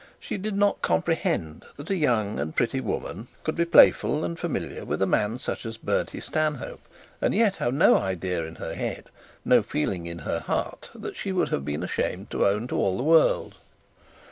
She did not comprehend that a young and pretty woman could be playful and familiar with a man such as Bertie Stanhope, and yet have no idea in her head, no feeling in her heart that she would have been ashamed to own to all the world.